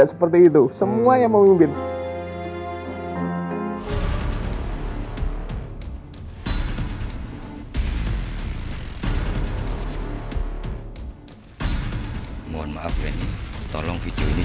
tapi tidak datang lagi kembali ke sini